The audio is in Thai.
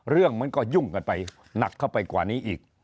เรื่องมันก็ยุ่งกันไปหนักเข้าไปกว่านี้อีก